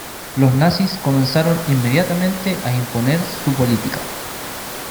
Los nazis comenzaron inmediatamente a imponer su política.